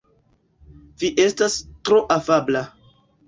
Vi estas tro afabla.